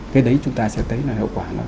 cái đấy chúng ta sẽ thấy là hậu quả là